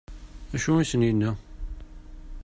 Acu i sen-yenna?